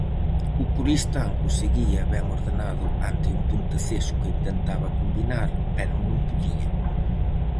O Coristanco seguía ben ordenado ante un Ponteceso que intentaba combinar pero non podía.